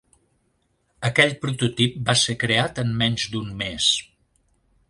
Aquell prototip va ser creat en menys d'un mes.